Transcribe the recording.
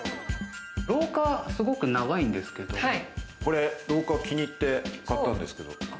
廊下すごく長いんですけれど廊下を気に入って買ったんですけど。